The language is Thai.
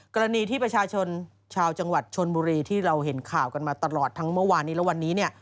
กรณีที่ประชาชนชาวจังหวัดชนบุรีที่เราเห็นข่าวกันมาตลอดทั้งเมื่อวานนี้และวันนี้เนี่ย